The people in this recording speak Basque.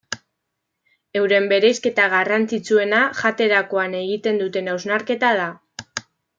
Euren bereizketa garrantzitsuena jaterakoan egiten duten hausnarketa da.